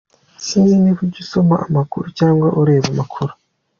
Sinzi niba ujya usoma amakuru cyangwa ureba amakuru….